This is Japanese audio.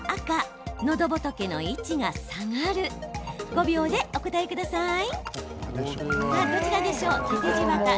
５秒で、お答えください。